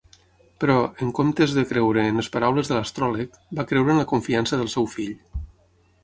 Però, en comptes de creure en les paraules de l'astròleg, va creure en la confiança del seu fill.